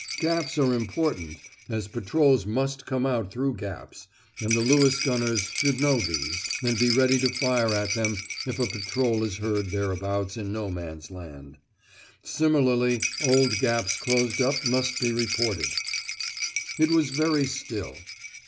Gaps are important, as patrols must come out through gaps, and the Lewis gunners should know these, and be ready to fire at them if a patrol is heard thereabouts in No Man's Land. Similarly, old gaps closed up must be reported. It was very still.